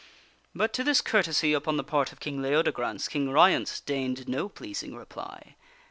But to this courtesy upon the part of King Leodegrance, King Ryence deigned no pleasing reply.